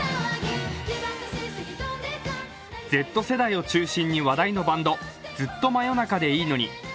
Ｚ世代を中心に話題のバンド、ずっと真夜中でいいのに。